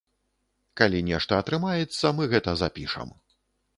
Калі нешта атрымаецца, мы гэта запішам.